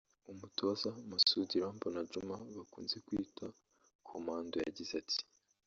umutoza Masudi Irambona Djuma bakunze kwita Komando yagize ati